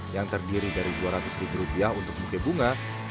yang terdiri dari dua ratus rupiah untuk buke bunga